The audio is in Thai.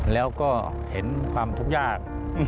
แล้วก็เห็นความทุกข์ยาก